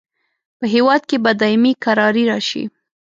په هیواد کې به دایمي کراري راشي.